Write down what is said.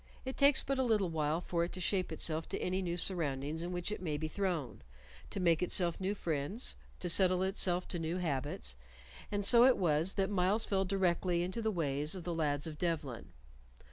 It takes but a little while for it to shape itself to any new surroundings in which it may be thrown, to make itself new friends, to settle itself to new habits; and so it was that Myles fell directly into the ways of the lads of Devlen.